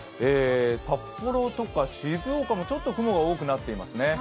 札幌とか静岡もちょっと雲が多くなっていますね。